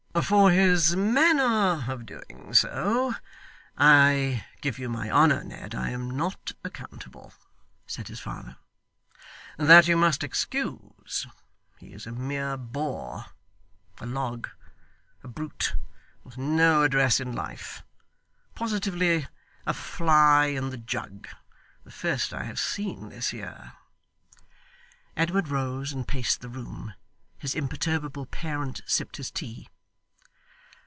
'For his manner of doing so, I give you my honour, Ned, I am not accountable,' said his father. 'That you must excuse. He is a mere boor, a log, a brute, with no address in life. Positively a fly in the jug. The first I have seen this year.' Edward rose, and paced the room. His imperturbable parent sipped his tea.